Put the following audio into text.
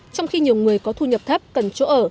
trong khi nhiều người có thu nhập thấp cần chỗ ở